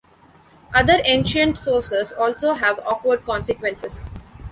Other ancient sources also have awkward consequences.